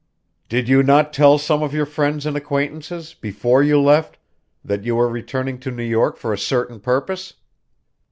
"Did you not tell some of your friends and acquaintances, before you left, that you were returning to New York for a certain purpose."